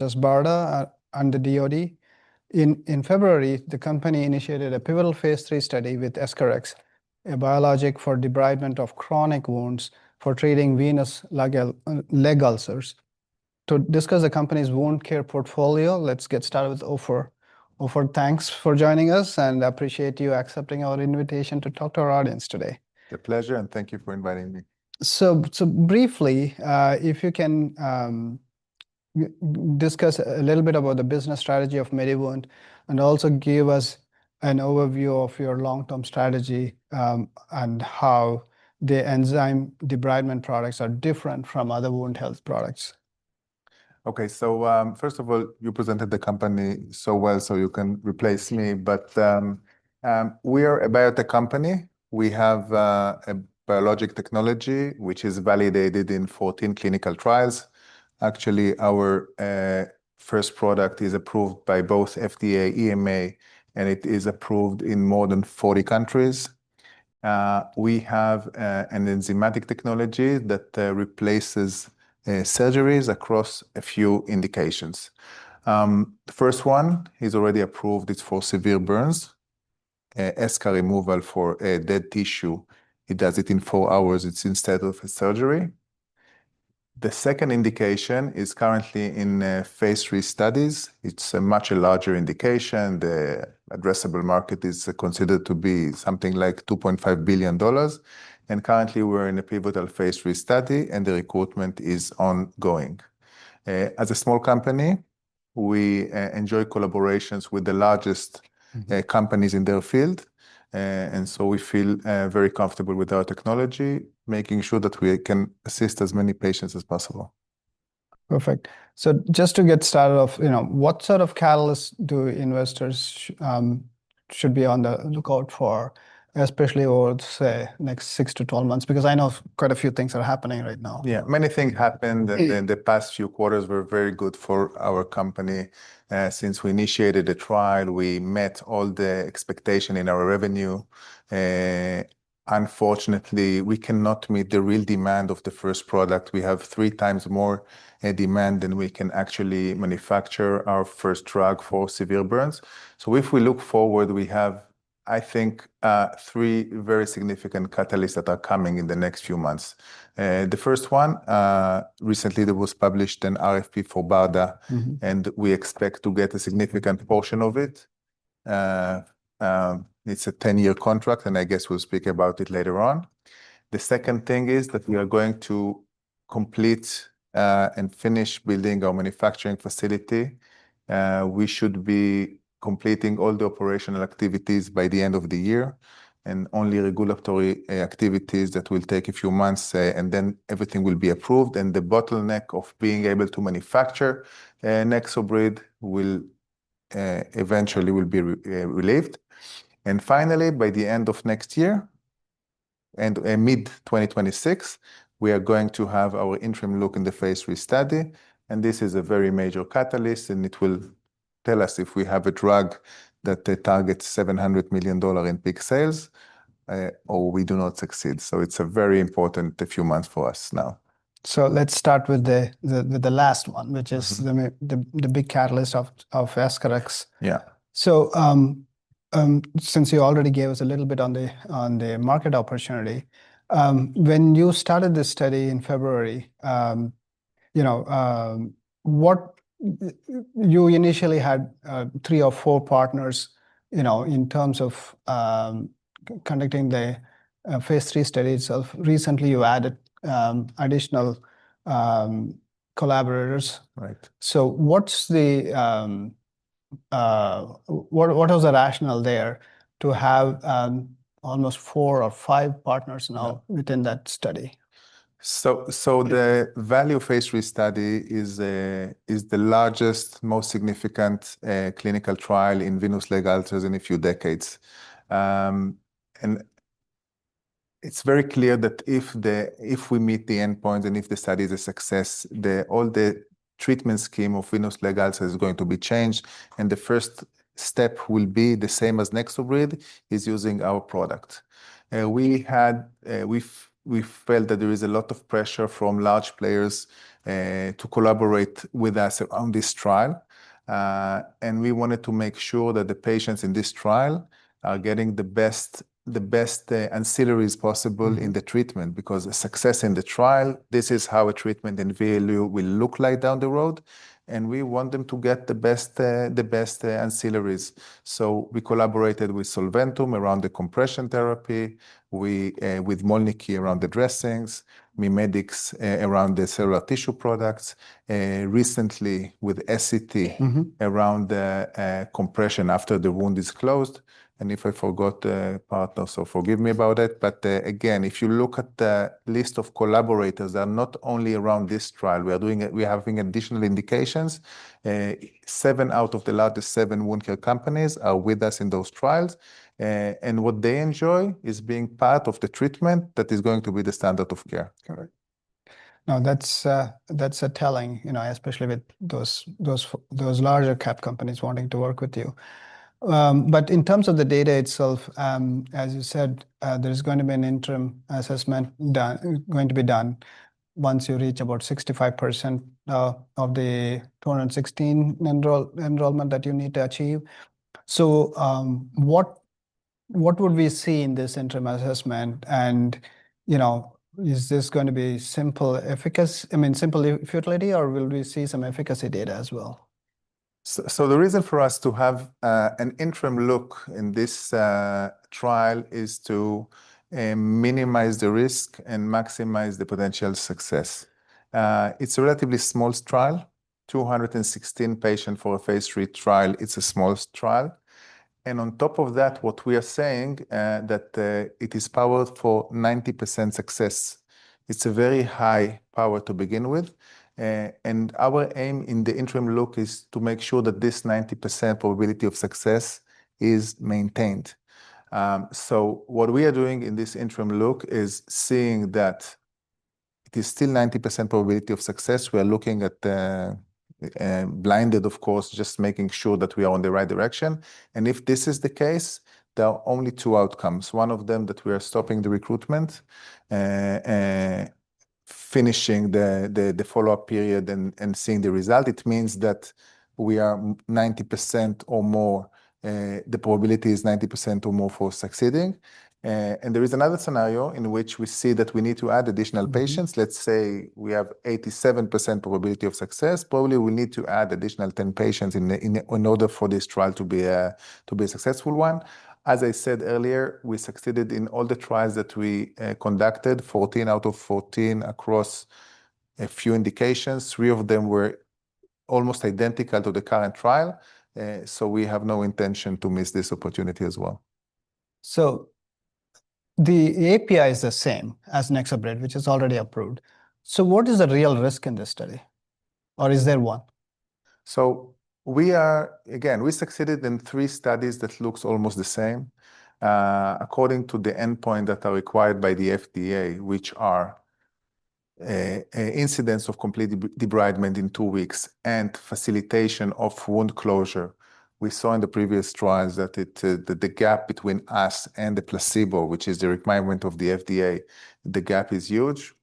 As BARDA and the DoD. In February, the company initiated a pivotal phase 3 study with EscharEx, a biologic for debridement of chronic wounds for treating venous leg ulcers. To discuss the company's wound care portfolio, let's get started with Ofer. Ofer, thanks for joining us, and I appreciate you accepting our invitation to talk to our audience today. a pleasure, and thank you for inviting me. So briefly, if you can discuss a little bit about the business strategy of MediWound and also give us an overview of your long-term strategy and how the enzyme debridement products are different from other wound health products? Okay, so first of all, you presented the company so well so you can replace me, but we are a biotech company. We have a biologic technology which is validated in 14 clinical trials. Actually, our first product is approved by both FDA and EMA, and it is approved in more than 40 countries. We have an enzymatic technology that replaces surgeries across a few indications. The first one is already approved. It's for severe burns. Eschar removal for dead tissue, it does it in four hours. It's instead of a surgery. The second indication is currently in phase 3 studies. It's a much larger indication. The addressable market is considered to be something like $2.5 billion. And currently, we're in a pivotal phase 3 study, and the recruitment is ongoing. As a small company, we enjoy collaborations with the largest companies in their field. We feel very comfortable with our technology, making sure that we can assist as many patients as possible. Perfect, so just to get started off, what sort of catalysts do investors should be on the lookout for, especially over the next six to 12 months? Because I know quite a few things are happening right now. Yeah, many things happened in the past few quarters were very good for our company. Since we initiated the trial, we met all the expectations in our revenue. Unfortunately, we cannot meet the real demand of the first product. We have three times more demand than we can actually manufacture our first drug for severe burns. So if we look forward, we have, I think, three very significant catalysts that are coming in the next few months. The first one, recently there was published an RFP for BARDA, and we expect to get a significant portion of it. It's a 10-year contract, and I guess we'll speak about it later on. The second thing is that we are going to complete and finish building our manufacturing facility. We should be completing all the operational activities by the end of the year and only regulatory activities that will take a few months, and then everything will be approved, and the bottleneck of being able to manufacture NexoBrid eventually will be relieved, and finally, by the end of next year and mid-2026, we are going to have our interim look in the phase three study, and this is a very major catalyst, and it will tell us if we have a drug that targets $700 million in peak sales or we do not succeed, so it's a very important few months for us now. Let's start with the last one, which is the big catalyst of EscharEx. Yeah. Since you already gave us a little bit on the market opportunity, when you started the study in February, you initially had three or four partners in terms of conducting the phase 3 study itself. Recently, you added additional collaborators. Right. So what was the rationale there to have almost four or five partners now within that study? The VLU phase three study is the largest, most significant clinical trial in venous leg ulcers in a few decades. It's very clear that if we meet the endpoints and if the study is a success, all the treatment scheme of venous leg ulcer is going to be changed. The first step will be the same as NexoBrid, is using our product. We felt that there is a lot of pressure from large players to collaborate with us on this trial. We wanted to make sure that the patients in this trial are getting the best ancillaries possible in the treatment because success in the trial, this is how a treatment in VLU will look like down the road. We want them to get the best ancillaries. So we collaborated with Solventum around the compression therapy, with Mölnlycke around the dressings, MiMedx around the cellular tissue products, recently with Essity around the compression after the wound is closed. And if I forgot the partner, so forgive me about it. But again, if you look at the list of collaborators that are not only around this trial, we are having additional indications. Seven out of the largest seven wound care companies are with us in those trials. And what they enjoy is being part of the treatment that is going to be the standard of care. Correct. No, that's telling, especially with those larger cap companies wanting to work with you. But in terms of the data itself, as you said, there's going to be an interim assessment going to be done once you reach about 65% of the 216 enrollment that you need to achieve. So what would we see in this interim assessment? And is this going to be simple efficacy, I mean, simple futility, or will we see some efficacy data as well? The reason for us to have an interim look in this trial is to minimize the risk and maximize the potential success. It's a relatively small trial, 216 patients for a phase 3 trial. It's a small trial. And on top of that, what we are saying is that it is powered for 90% success. It's a very high power to begin with. And our aim in the interim look is to make sure that this 90% probability of success is maintained. So what we are doing in this interim look is seeing that it is still 90% probability of success. We are looking at blinded, of course, just making sure that we are on the right direction. And if this is the case, there are only two outcomes. One of them that we are stopping the recruitment, finishing the follow-up period, and seeing the result. It means that we are 90% or more, the probability is 90% or more for succeeding. And there is another scenario in which we see that we need to add additional patients. Let's say we have 87% probability of success. Probably we need to add additional 10 patients in order for this trial to be a successful one. As I said earlier, we succeeded in all the trials that we conducted, 14 out of 14 across a few indications. Three of them were almost identical to the current trial. So we have no intention to miss this opportunity as well. So the API is the same as NexoBrid, which is already approved. So what is the real risk in this study? Or is there one? So again, we succeeded in three studies that look almost the same according to the endpoint that are required by the FDA, which are incidence of complete debridement in two weeks and facilitation of wound closure. We saw in the previous trials that the gap between us and the placebo, which is the requirement of the FDA, the gap is huge.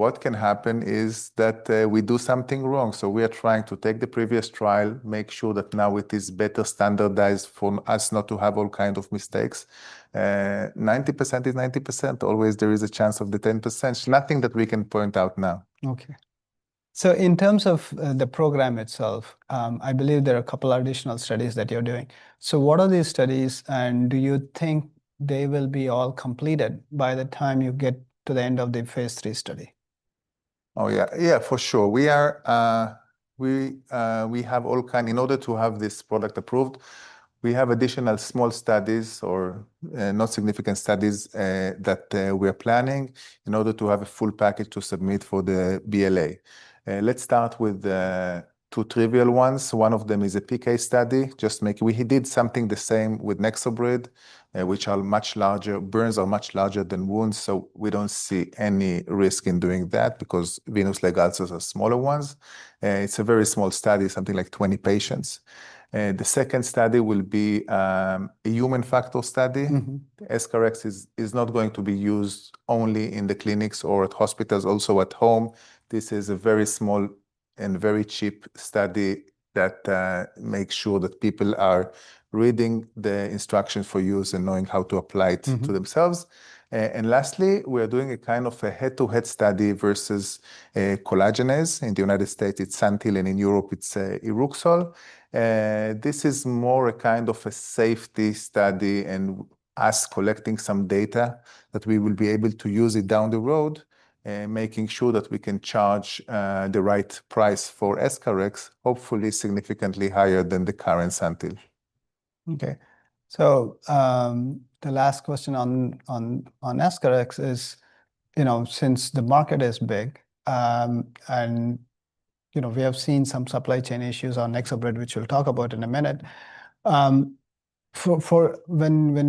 What can happen is that we do something wrong. So we are trying to take the previous trial, make sure that now it is better standardized for us not to have all kinds of mistakes. 90% is 90%. Always there is a chance of the 10%. Nothing that we can point out now. Okay. So in terms of the program itself, I believe there are a couple of additional studies that you're doing. So what are these studies? And do you think they will be all completed by the time you get to the end of the phase 3 study? Oh, yeah. Yeah, for sure. We have all kinds in order to have this product approved, we have additional small studies or not significant studies that we are planning in order to have a full package to submit for the BLA. Let's start with two trivial ones. One of them is a PK study. We did something the same with NexoBrid, which are much larger burns are much larger than wounds. So we don't see any risk in doing that because venous leg ulcers are smaller ones. It's a very small study, something like 20 patients. The second study will be a human factor study. EscharEx is not going to be used only in the clinics or at hospitals, also at home. This is a very small and very cheap study that makes sure that people are reading the instructions for use and knowing how to apply it to themselves. Lastly, we are doing a kind of a head-to-head study versus collagenase. In the United States, it's Santyl, and in Europe, it's Iruxol. This is more a kind of a safety study and us collecting some data that we will be able to use it down the road, making sure that we can charge the right price for EscharEx, hopefully significantly higher than the current Santyl. Okay. The last question on EscharEx is, since the market is big and we have seen some supply chain issues on NexoBrid, which we'll talk about in a minute, when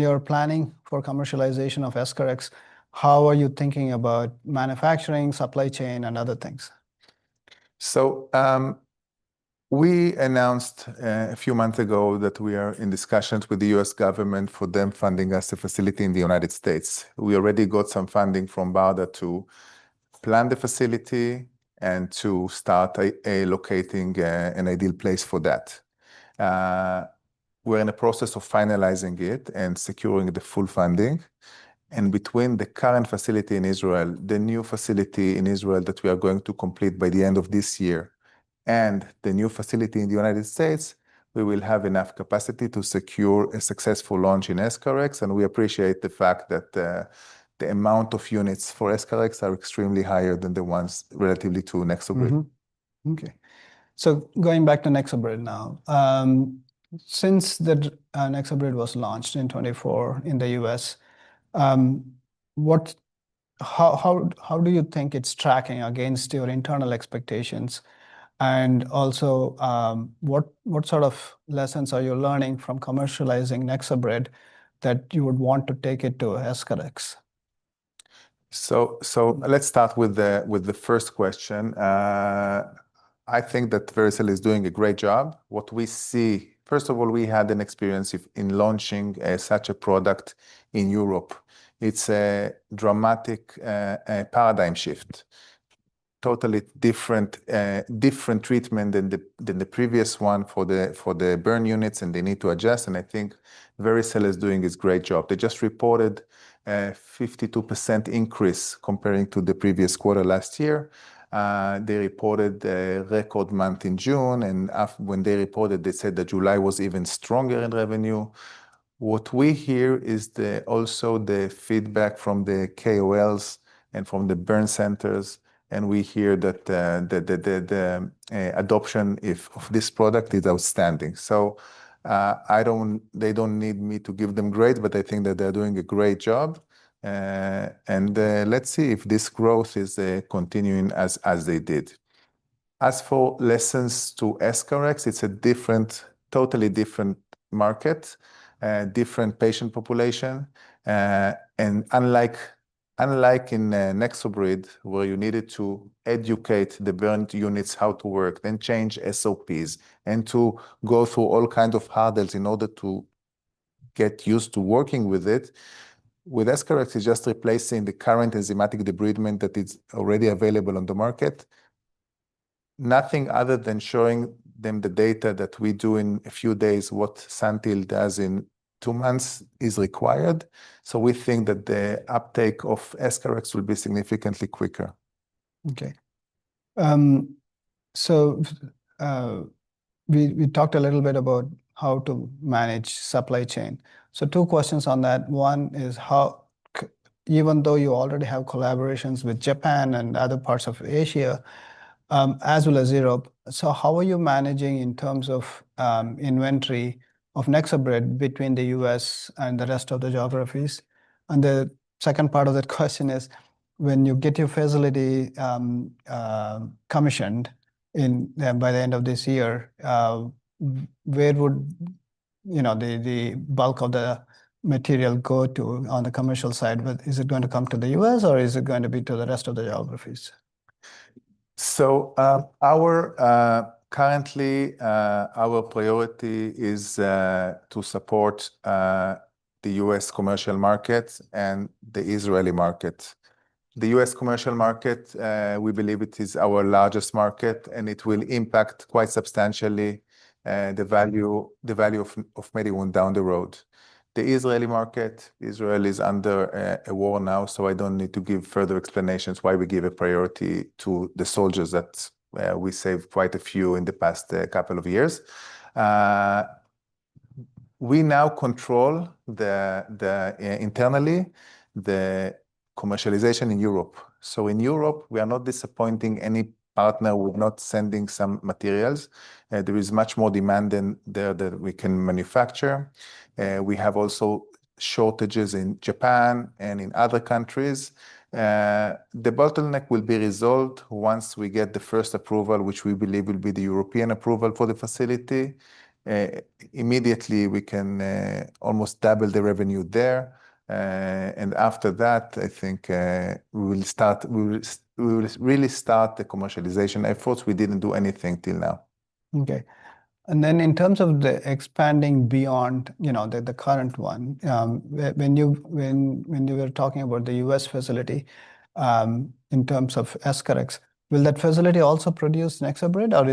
you're planning for commercialization of EscharEx, how are you thinking about manufacturing, supply chain, and other things? We announced a few months ago that we are in discussions with the U.S. government for them funding us a facility in the United States. We already got some funding from BARDA to plan the facility and to start locating an ideal place for that. We're in the process of finalizing it and securing the full funding. Between the current facility in Israel, the new facility in Israel that we are going to complete by the end of this year, and the new facility in the United States, we will have enough capacity to secure a successful launch in EscharEx. We appreciate the fact that the amount of units for EscharEx are extremely higher than the ones relatively to NexoBrid. Okay. So going back to NexoBrid now, since NexoBrid was launched in 2024 in the U.S., how do you think it's tracking against your internal expectations? And also, what sort of lessons are you learning from commercializing NexoBrid that you would want to take it to EscharEx? So let's start with the first question. I think that Vericel is doing a great job. What we see, first of all, we had an experience in launching such a product in Europe. It's a dramatic paradigm shift, totally different treatment than the previous one for the burn units, and they need to adjust. And I think Vericel is doing a great job. They just reported a 52% increase comparing to the previous quarter last year. They reported a record month in June. And when they reported, they said that July was even stronger in revenue. What we hear is also the feedback from the KOLs and from the burn centers. And we hear that the adoption of this product is outstanding. So they don't need me to give them grades, but I think that they're doing a great job. Let's see if this growth is continuing as they did. As for lessons to EscharEx, it's a totally different market, different patient population. Unlike in NexoBrid, where you needed to educate the burn units how to work, then change SOPs, and to go through all kinds of hurdles in order to get used to working with it, with EscharEx, it's just replacing the current enzymatic debridement that is already available on the market. Nothing other than showing them the data that we do in a few days, what Santyl does in two months is required. We think that the uptake of EscharEx will be significantly quicker. Okay. So we talked a little bit about how to manage supply chain. So two questions on that. One is, even though you already have collaborations with Japan and other parts of Asia, as well as Europe, so how are you managing in terms of inventory of NexoBrid between the U.S. and the rest of the geographies? And the second part of the question is, when you get your facility commissioned by the end of this year, where would the bulk of the material go to on the commercial side? Is it going to come to the U.S., or is it going to be to the rest of the geographies? So currently, our priority is to support the U.S. commercial market and the Israeli market. The U.S. commercial market, we believe it is our largest market, and it will impact quite substantially the value of MediWound down the road. The Israeli market, Israel is under a war now, so I don't need to give further explanations why we give a priority to the soldiers that we saved quite a few in the past couple of years. We now control internally the commercialization in Europe. So in Europe, we are not disappointing any partner. We're not sending some materials. There is much more demand than we can manufacture. We have also shortages in Japan and in other countries. The bottleneck will be resolved once we get the first approval, which we believe will be the European approval for the facility. Immediately, we can almost double the revenue there. After that, I think we will really start the commercialization efforts. We didn't do anything till now. Okay. And then in terms of the expanding beyond the current one, when you were talking about the US facility in terms of EscharEx, will that facility also produce NexoBrid, or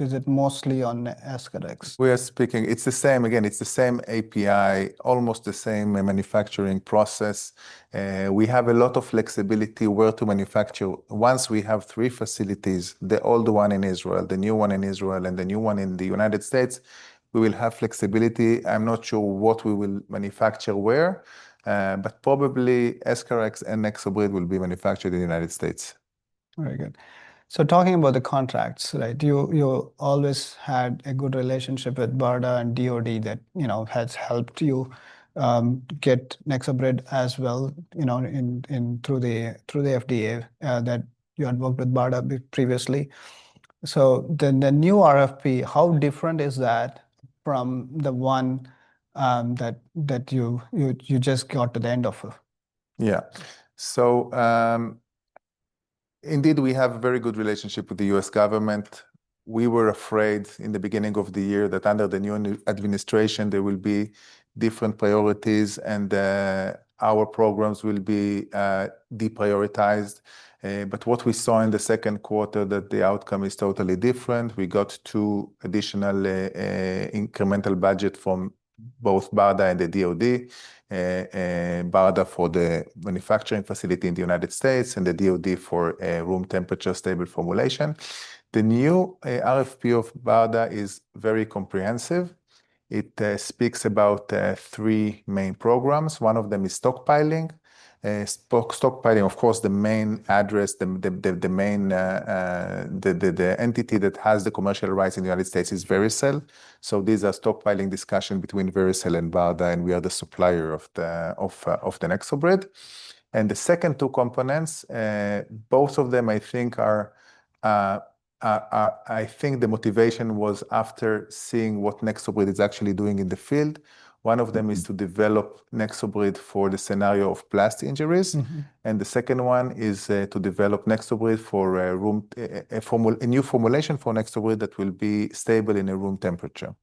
is it mostly on EscharEx? We are speaking, it's the same. Again, it's the same API, almost the same manufacturing process. We have a lot of flexibility where to manufacture. Once we have three facilities, the old one in Israel, the new one in Israel, and the new one in the United States, we will have flexibility. I'm not sure what we will manufacture where, but probably EscharEx and NexoBrid will be manufactured in the United States. Very good. So, talking about the contracts, you always had a good relationship with BARDA and DoD that has helped you get NexoBrid as well through the FDA, that you had worked with BARDA previously. So then the new RFP, how different is that from the one that you just got to the end of? Yeah. So indeed, we have a very good relationship with the U.S. government. We were afraid in the beginning of the year that under the new administration, there will be different priorities and our programs will be deprioritized. But what we saw in the second quarter that the outcome is totally different. We got two additional incremental budgets from both BARDA and the DoD, BARDA for the manufacturing facility in the United States and the DoD for room temperature stable formulation. The new RFP of BARDA is very comprehensive. It speaks about three main programs. One of them is stockpiling. Stockpiling, of course, the main addressee, the main entity that has the commercial rights in the United States is Vericel. So these are stockpiling discussions between Vericel and BARDA, and we are the supplier of the NexoBrid. The second two components, both of them, I think, the motivation was after seeing what NexoBrid is actually doing in the field. One of them is to develop NexoBrid for the scenario of blast injuries. The second one is to develop NexoBrid for a new formulation for NexoBrid that will be stable at room temperature.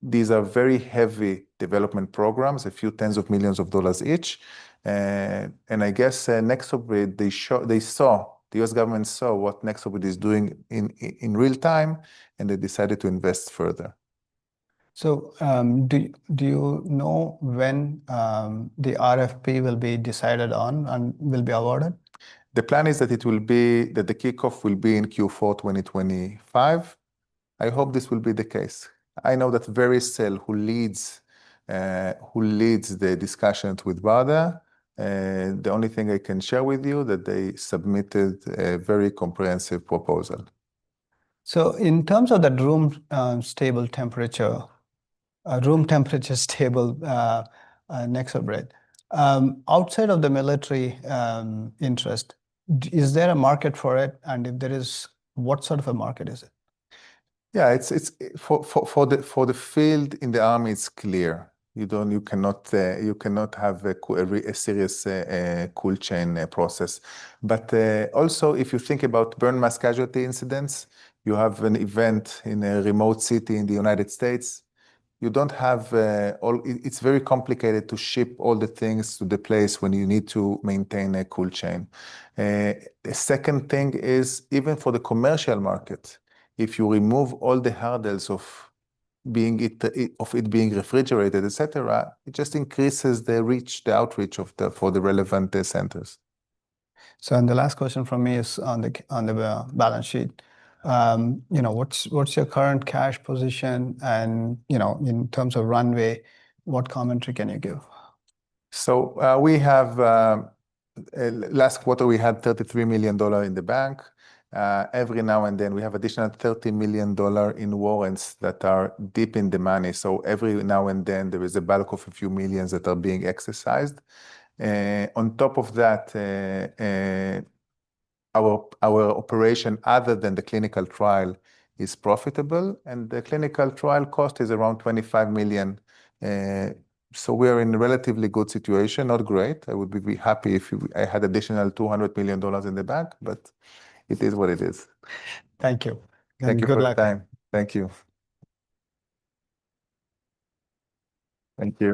These are very heavy development programs, a few tens of millions of dollars each. I guess NexoBrid, the U.S. government saw what NexoBrid is doing in real time, and they decided to invest further. So do you know when the RFP will be decided on and will be awarded? The plan is that it will be that the kickoff will be in Q4 2025. I hope this will be the case. I know that Vericel, who leads the discussions with BARDA, the only thing I can share with you is that they submitted a very comprehensive proposal. So in terms of that room stable temperature, room temperature stable NexoBrid, outside of the military interest, is there a market for it? And if there is, what sort of a market is it? Yeah, for the field in the army, it's clear. You cannot have a serious cool chain process. But also, if you think about burn mass casualty incidents, you have an event in a remote city in the United States. You don't have it. It's very complicated to ship all the things to the place when you need to maintain a cool chain. The second thing is, even for the commercial market, if you remove all the hurdles of it being refrigerated, et cetera, it just increases the reach, the outreach for the relevant centers. So then the last question from me is on the balance sheet. What's your current cash position? And in terms of runway, what commentary can you give? Last quarter, we had $33 million in the bank. Every now and then, we have additional $30 million in warrants that are deep in the money. Every now and then, there is a bulk of a few millions that are being exercised. On top of that, our operation, other than the clinical trial, is profitable. The clinical trial cost is around $25 million. We are in a relatively good situation, not great. I would be happy if I had additional $200 million in the bank, but it is what it is. Thank you. Thank you for your time. Thank you. Thank you.